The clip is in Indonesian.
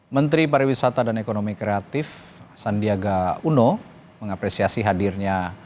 menteri pariwisata dan ekonomi kreatif sandiaga uno mengapresiasi hadirnya